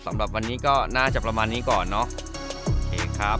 สำหรับวันนี้ก็น่าจะประมาณนี้ก่อนเนาะ